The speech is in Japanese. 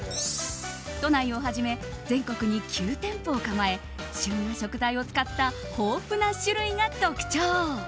都内をはじめ全国に９店舗を構え旬な食材を使った豊富な種類が特徴。